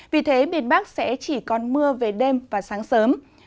vì thế miền bắc sẽ chỉ còn mưa về đêm và sáng sớm